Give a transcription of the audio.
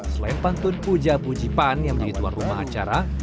selain pantun puja pujipan yang menjadi tuan rumah acara